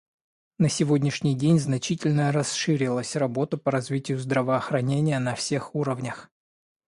На сегодняшний день значительно расширилась работа по развитию здравоохранения на всех уровнях.